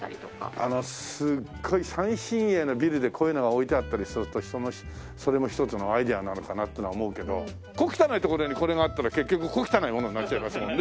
あのすっごい最新鋭のビルでこういうのが置いてあったりするとそれも一つのアイデアなのかなってのは思うけど小汚い所にこれがあったら結局小汚いものになっちゃいますもんね。